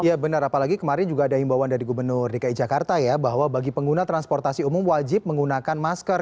iya benar apalagi kemarin juga ada himbawan dari gubernur dki jakarta ya bahwa bagi pengguna transportasi umum wajib menggunakan masker